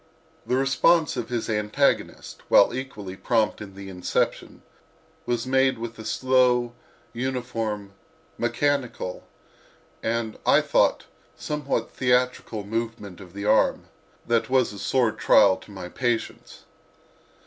The response of his antagonist, while equally prompt in the inception, was made with a slow, uniform, mechanical and, I thought, somewhat theatrical movement of the arm, that was a sore trial to my patience.